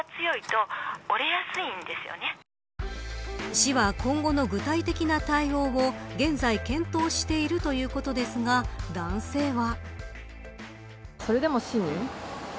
市は、今後の具体的な対応を現在検討しているということですが男性は。